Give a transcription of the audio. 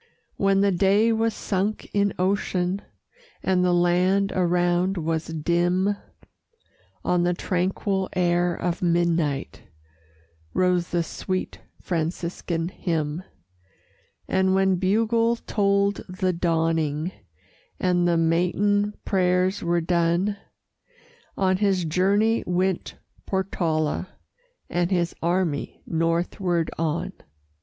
When the day was sunk in ocean, And the land around was dim, On the tranquil air of midnight Rose the sweet Franciscan hymn; And when bugle told the dawning, And the matin prayers were done, On his journey went Portala, And his army northward on.